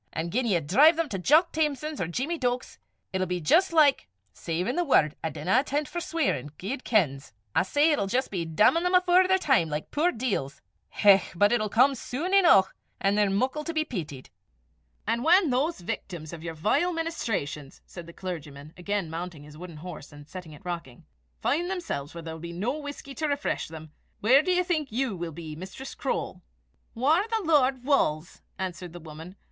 An' gien ye drive them to Jock Thamson's, or Jeemie Deuk's, it'll be jist like savin' the word, I dinna inten' 't for sweirin', guid kens! I say, it'll jist be dammin' them afore their time, like the puir deils. Hech! but it'll come sune eneuch, an' they're muckle to be peetied!" "And when those victims of your vile ministrations," said the clergyman, again mounting his wooden horse, and setting it rocking, "find themselves where there will be no whisky to refresh them, where do you think you will be, Mistress Croale?" "Whaur the Lord wulls," answered the woman.